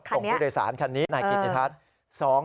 ส่งผู้โดยสารคันนี้นายกิติทัศน์